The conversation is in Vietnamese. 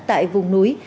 tại vùng núi